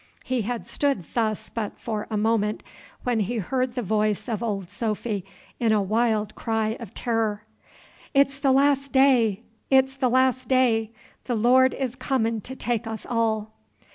He had stood thus but for a moment, when he heard the voice of Old Sophy in a wild cry of terror: "It's th' Las' Day! It's th' Las' Day! The Lord is comin' to take us all!"